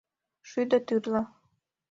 Шӱдӧ тӱрлӧ